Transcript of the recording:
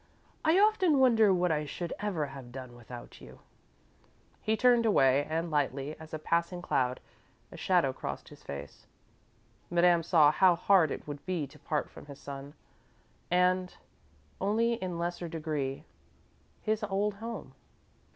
I often wonder what I should ever have done without you." He turned away and, lightly as a passing cloud, a shadow crossed his face. Madame saw how hard it would be to part from his son, and, only in lesser degree, his old home.